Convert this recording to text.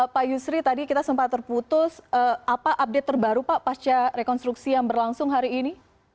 pak yusri tadi kita sempat terputus apa update terbaru pak pasca rekonstruksi yang berlangsung hari ini